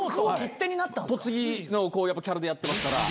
栃木のキャラでやってますから。